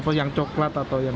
apa yang coklat atau yang